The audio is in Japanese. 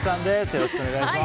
よろしくお願いします。